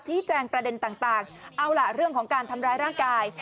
แจงประเด็นต่างเอาล่ะเรื่องของการทำร้ายร่างกาย